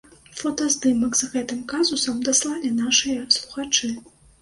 Фотаздымак з гэтым казусам даслалі нашыя слухачы.